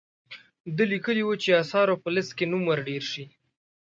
ده لیکلي وو چې آثارو په لیست کې نوم ور ډیر شي.